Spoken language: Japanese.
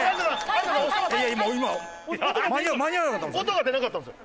音が出なかったんですよ。